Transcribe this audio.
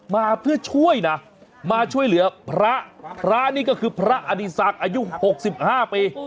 มาเพื่อช่วยนะมาช่วยเหลือพระพระนี่ก็คือพระอดีศักดิ์อายุ๖๕ปี